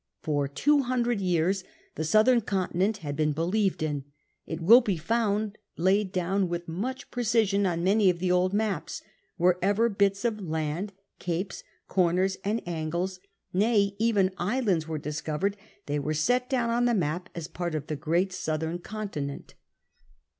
For two hundred years the southern continent had been believed in \ it will be found laid down with much precision on many of the old maps; wherever bits of land, capes, comers, and angles — nay, even islands — ^were discovered, they were set down on the map as part of the great southern continent.